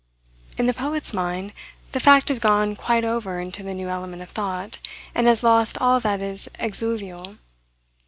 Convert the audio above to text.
In the poet's mind, the fact has gone quite over into the new element of thought, and has lost all that is exuvial.